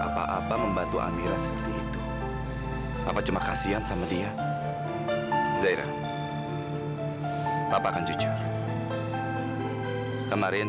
papa tidak akan meninggalkan kamu sayang